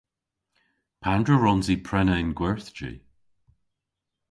Pandr'a wrons i prena y'n gwerthji?